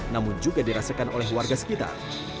namun juga dirasakan oleh warga sekitar